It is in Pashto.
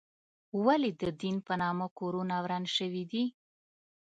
ولې د دین په نامه کورونه وران شوي دي؟